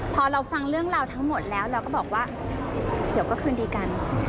พอเราฟังเรื่องราวทั้งหมดแล้วเราก็บอกว่าเดี๋ยวก็คืนดีกัน